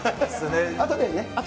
あとでね。